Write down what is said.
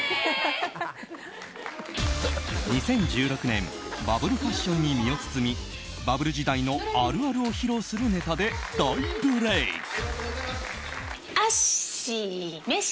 ２０１６年バブルファッションに身を包みバブル時代のあるあるを披露するネタで大ブレーク。